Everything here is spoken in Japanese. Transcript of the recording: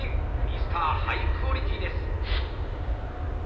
ミスターハイクオリティーです。